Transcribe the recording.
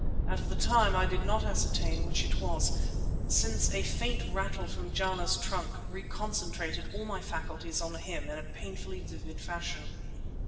At the time I did not ascertain which it was, since a faint rattle from Jana's trunk reconcentrated all my faculties on him in a painfully vivid fashion.